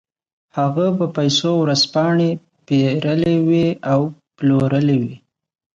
هغه په پیسو ورځپاڼې پېرلې وې او پلورلې وې